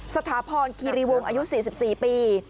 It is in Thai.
สถาพรคีรีวงอายุ๔๔ปี